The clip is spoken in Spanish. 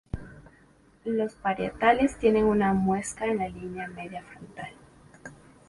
Los parietales tienen una muesca en la línea media frontal.